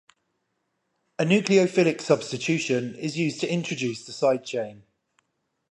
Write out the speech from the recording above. A nucleophilic substitution is used to introduce the sidechain.